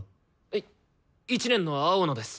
い１年の青野です。